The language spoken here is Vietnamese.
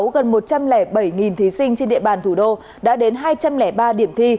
gần một trăm linh bảy thí sinh trên địa bàn thủ đô đã đến hai trăm linh ba điểm thi